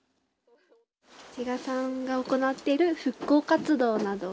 志賀さんが行っている復興活動など。